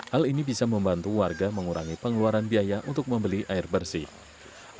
hal ini bisa membantu warga mengurangi pengeluaran biaya untuk membeli air bersih